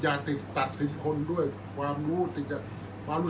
อันไหนที่มันไม่จริงแล้วอาจารย์อยากพูด